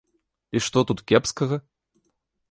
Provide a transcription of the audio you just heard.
І што тут кепскага?